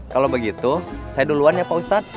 kalau begitu saya duluan ya pak ustadz